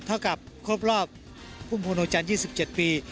เท่ากับครบรอบภูมิภูมิโรงจันทร์๒๗ปี